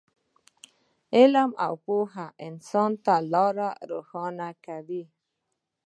علم او پوهه انسان ته لاره روښانه کوي.